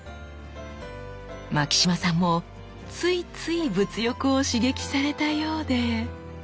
牧島さんもついつい物欲を刺激されたようで。